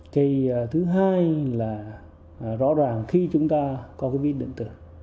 cây thứ hai là rõ ràng khi chúng ta có cái ví điện tử